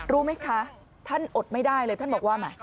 รู้ไหมคะท่านอดไม่ได้เลยท่านบอกว่าแหม